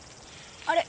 あれ？